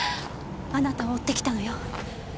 あなたを追ってきたのよ。